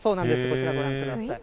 こちら、ご覧ください。